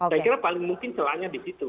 saya kira paling mungkin celahnya di situ